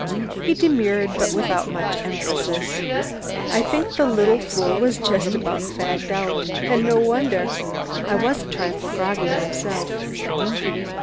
He demurred, but without much emphasis. I think the little fool was just about fagged out, and no wonder. I was a trifle groggy myself.